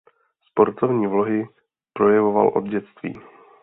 Sportovní vlohy projevoval od dětství.